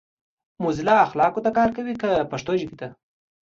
موزیلا اخلاقو ته کار کوي کۀ پښتو ژبې ته؟